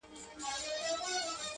په مټي چي وكړه ژړا پر ځـنـگانــه-